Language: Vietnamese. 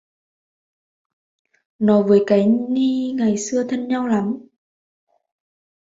Nó với cái Nhi ngày xưa là thân nhau lắm